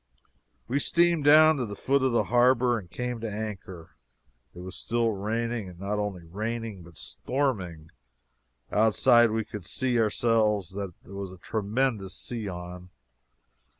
We steamed down to the foot of the harbor and came to anchor. It was still raining. And not only raining, but storming. "Outside" we could see, ourselves, that there was a tremendous sea on.